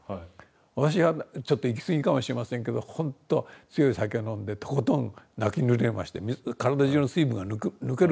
私はちょっと行き過ぎかもしれませんけどほんと強い酒を飲んでとことん泣きぬれまして体中の水分が抜けるぐらい泣きました。